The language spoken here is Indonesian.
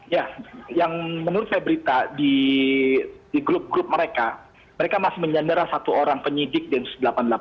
ya yang menurut saya berita di grup grup mereka mereka masih menyandara satu orang penyidik densus delapan puluh delapan